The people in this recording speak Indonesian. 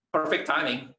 pada waktu yang tepat